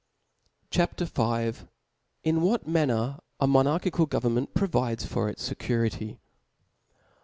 C H A R V. In what manner a Monarchical Government provides for its Security.